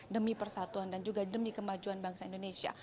demi persatuan dan juga demi kemajuan bangsa indonesia